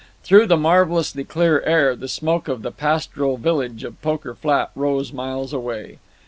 Through the marvelously clear air the smoke of the pastoral village of Poker Flat rose miles away.